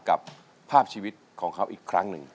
กับภาพชีวิตของเขาอีกครั้งหนึ่ง